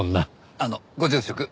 あのご住職